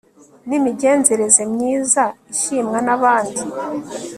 n'imigenzereze myiza ishimwa n'abandi